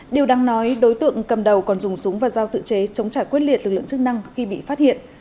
điều đáng nói đối tượng cầm đầu còn dùng súng và dao tự chế chống trả quyết liệt lực lượng chức năng khi bị phát hiện